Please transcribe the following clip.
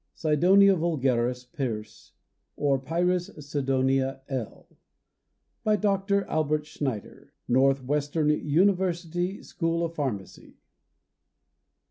(Cydonia vulgaris, Pers., or Pyrus Cydonia, L.) BY DR. ALBERT SCHNEIDER, Northwestern University School of Pharmacy.